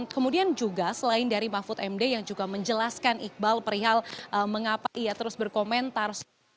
kemudian juga selain dari mahfud md yang juga menjelaskan iqbal perihal mengapa ia terus berkomentar